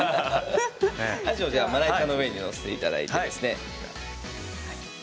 あじをまな板の上に載せていただいてですね